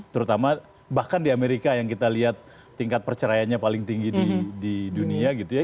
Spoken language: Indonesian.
terutama bahkan di amerika yang kita lihat tingkat perceraiannya paling tinggi di dunia gitu ya